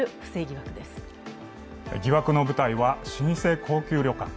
疑惑の舞台は老舗高級旅館。